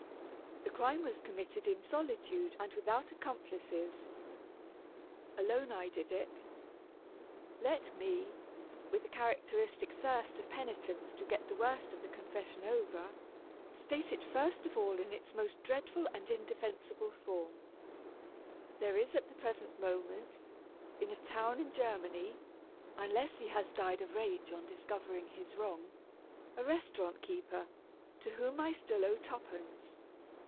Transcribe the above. The crime was committed in solitude and without accomplices. Alone I did it. Let me, with the characteristic thirst of penitents to get the worst of the confession over, state it first of all in its most dreadful and indefensible form. There is at the present moment, in a town in Germany (unless he has died of rage on discovering his wrong), a restaurant keeper to whom I still owe twopence.